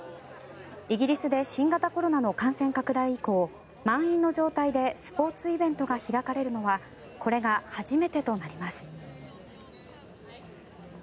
イギリスで新型コロナの感染拡大以降、満員の状態でスポーツイベントが開かれるのはこれが初めてとなります。